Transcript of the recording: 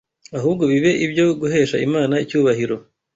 ahubwo bibe ibyo guhesha Imana icyubahiro,